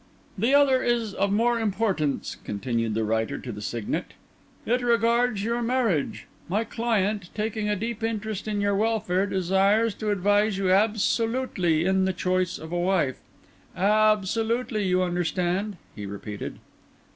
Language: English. "The other is of more importance," continued the Writer to the Signet. "It regards your marriage. My client, taking a deep interest in your welfare, desires to advise you absolutely in the choice of a wife. Absolutely, you understand," he repeated.